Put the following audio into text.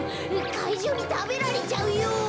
かいじゅうにたべられちゃうよ。